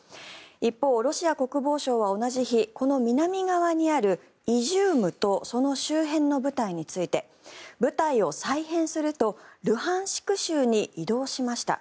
一方、ロシア国防省は同じ日この南側にあるイジュームとその周辺の部隊について部隊を再編するとルハンシク州に移動しました。